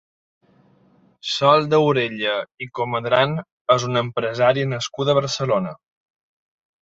Sol Daurella i Comadran és una empresària nascuda a Barcelona.